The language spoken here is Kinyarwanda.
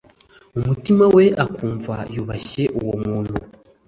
mu mutima we akumva yubashye uwo muntu